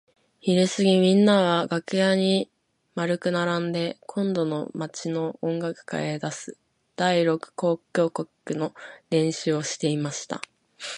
ひるすぎみんなは楽屋に円くならんで今度の町の音楽会へ出す第六交響曲の練習をしていました。